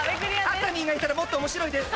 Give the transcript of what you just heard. アッタミーがいたらもっと面白いです！